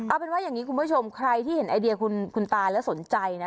เอาเป็นว่าอย่างนี้คุณผู้ชมใครที่เห็นไอเดียคุณตาแล้วสนใจนะ